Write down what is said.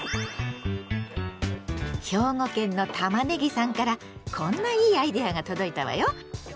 兵庫県のタマネギさんからこんないいアイデアが届いたわよ。